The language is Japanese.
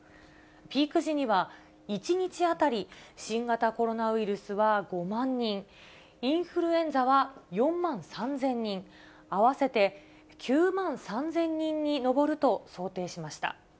ピーク時には１日当たり新型コロナウイルスは５万人、インフルエンザは４万３０００人、合わせて９万３０００人に上ると想定しました。